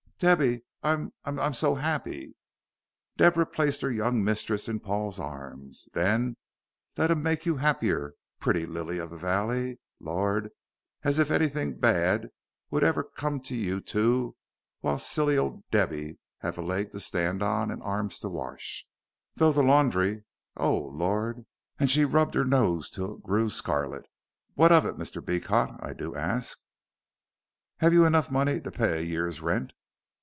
"Debby I'm I'm so happy!" Deborah placed her young mistress in Paul's arms. "Then let 'im make you 'appier, pretty lily of the valley. Lor', as if anything bad 'ud ever come to you two while silly old Debby have a leg to stan' on an' arms to wash. Though the laundry oh, lor'!" and she rubbed her nose till it grew scarlet, "what of it, Mr. Beecot, I do ask?" "Have you enough money to pay a year's rent?"